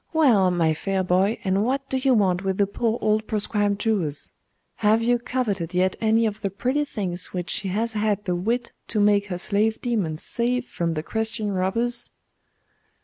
'Well, my fair boy, and what do you want with the poor old proscribed Jewess? Have you coveted yet any of the pretty things which she has had the wit to make her slave demons save from the Christian robbers?